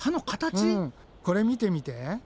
これ見てみて。